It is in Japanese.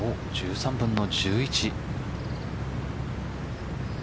１３分の１１。